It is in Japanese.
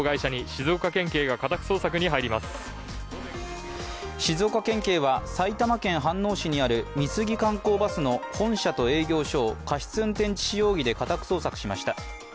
静岡県警は埼玉県飯能市にある美杉観光バスの本社と営業所を過失運転致死容疑で家宅捜索しました。